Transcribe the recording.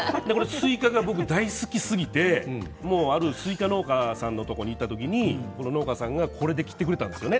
スイカが大好きすぎてスイカ農家さんのところに行った時にこれで切ってくれたんですよね